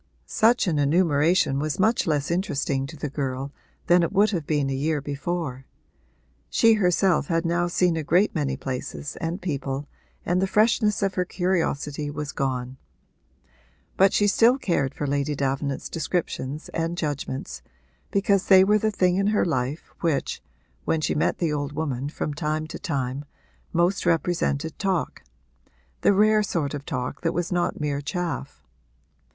Such an enumeration was much less interesting to the girl than it would have been a year before: she herself had now seen a great many places and people and the freshness of her curiosity was gone. But she still cared for Lady Davenant's descriptions and judgments, because they were the thing in her life which (when she met the old woman from time to time) most represented talk the rare sort of talk that was not mere chaff.